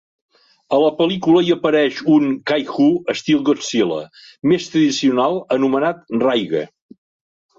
A la pel·lícula hi apareix un "kaiju" estil Godzilla més tradicional anomenat Raiga.